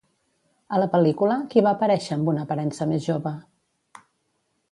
A la pel·lícula, qui va aparèixer amb una aparença més jove?